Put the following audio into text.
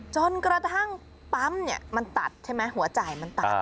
จนกระทั่งปั๊มมันตัดใช่ไหมหัวจ่ายมันตัด